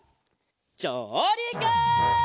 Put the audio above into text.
じょうりく！